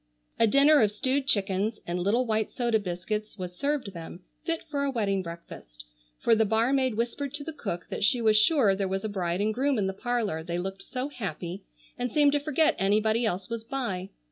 A dinner of stewed chickens and little white soda biscuits was served them, fit for a wedding breakfast, for the barmaid whispered to the cook that she was sure there was a bride and groom in the parlor they looked so happy and seemed to forget anybody else was by.